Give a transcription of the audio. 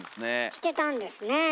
来てたんですね。